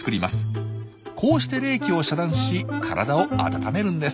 こうして冷気を遮断し体を温めるんです。